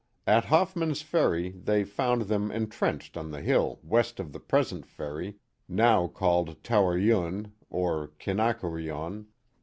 At Hoffman's Ferry they found them entrenched on the hill west of the present ferry, now called Towereune or Kinaquarione.